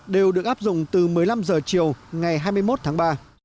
đều được áp dụng từ một mươi năm h chiều ngày hai mươi một tháng ba